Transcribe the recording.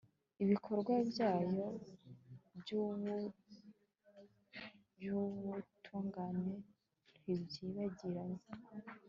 ibikorwa byabo by'ubutungane ntibyibagiranye